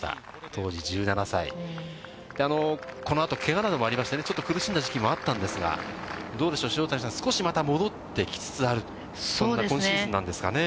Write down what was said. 当時１７歳、このあとけがなどもありまして、ちょっと苦しんだ時期もあったんですが、どうでしょう、塩谷さん、少しまた戻ってきつつある、今シーズンなんですかね。